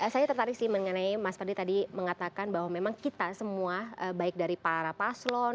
saya tertarik sih mengenai mas fadli tadi mengatakan bahwa memang kita semua baik dari para paslon